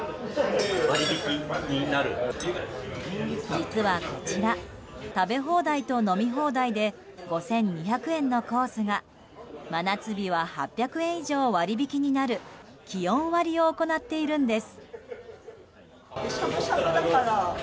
実はこちら食べ放題と飲み放題で５２００円のコースが真夏日は８００円以上割引になる気温割を行っているんです。